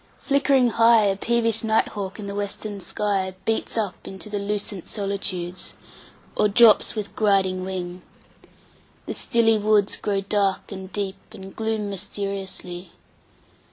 Flickering high,5A peevish night hawk in the western sky6Beats up into the lucent solitudes,7Or drops with griding wing. The stilly woods8Grow dark and deep, and gloom mysteriously.